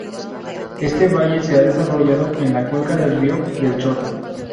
Este valle se ha desarrollado en la cuenca del río del Chota.